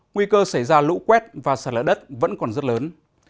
nguy cơ xảy ra lũ quét và sạt lở đất vẫn còn rất lớn